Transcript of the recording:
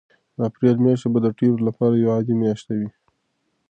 د اپریل میاشت به د ډېرو لپاره یوه عادي میاشت وي.